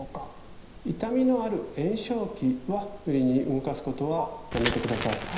痛みのある炎症期は無理に動かすことはやめてください。